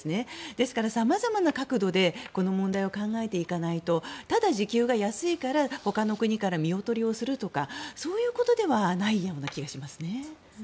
ですから様々な角度でこの問題を考えていかないとただ時給が安いからほかの国から見劣りするとかそういうことではないような気がしますね。